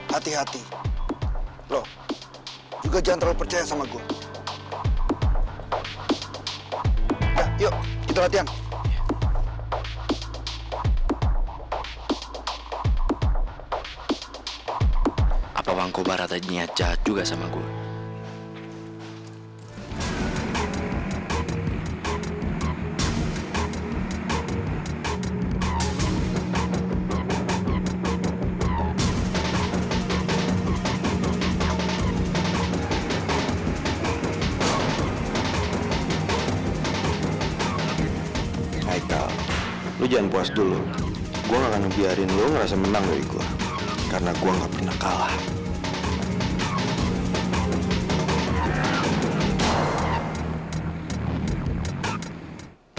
hai kau lu jangan puas dulu gua akan membiarkan lu merasa menang dari gua karena gua nggak pernah kalah